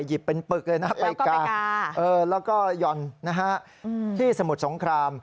หยิบเป็นปึกเลยนะไปกาแล้วก็หย่อนที่สมุทรสงคราม